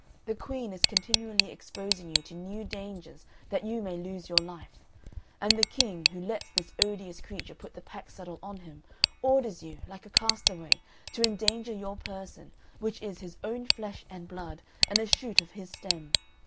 The Queen is continually exposing you to new dangers that you may lose your life; and the King, who lets this odious creature put the pack saddle on him, orders you, like a castaway, to endanger your person, which is his own flesh and blood and a shoot of his stem.